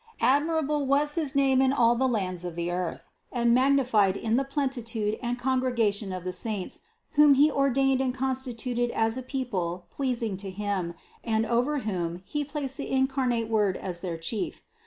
191. Admirable was his name in all the lands of the earth, and magnified in the plenitude and congregation of the saints, whom He ordained and constituted as a 161 162 CITY OF GOD people pleasing to Him and over whom He placed the incarnate Word as their Chief.